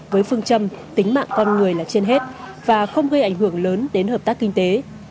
với phương châm tính mạng con người là trên hết và không gây ảnh hưởng lớn đến hợp tác kinh tế